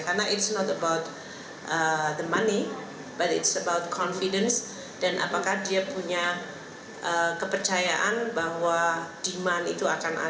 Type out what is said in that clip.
karena it's not about the money but it's about confidence dan apakah dia punya kepercayaan bahwa demand itu akan ada